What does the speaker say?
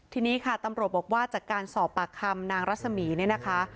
ทีนี้ค่ะตำรวจบอกว่าจากการสอบปากคำนางรัศมีร์เนี่ยนะคะ